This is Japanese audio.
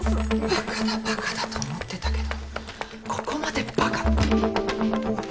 バカだバカだと思ってたけどここまでバカ。